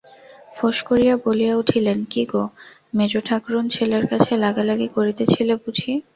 ফোঁস করিয়া বলিয়া উঠিলেন, কী গো মেজোঠাকরুণ, ছেলের কাছে লাগালাগি করিতেছিলে বুঝি?